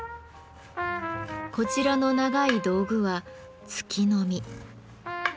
こちらの長い道具は「突きのみ」。